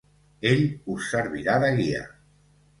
Ell us servirà de guia.